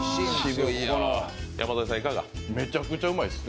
めちゃくちゃうまいです。